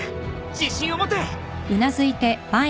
自信を持て！